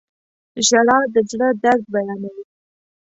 • ژړا د زړه درد بیانوي.